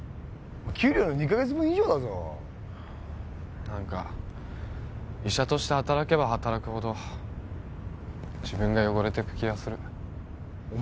給料の二ヵ月分以上だぞなんか医者として働けば働くほど自分が汚れていく気がするお前